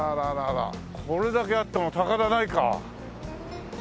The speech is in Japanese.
これだけあっても高田ないか。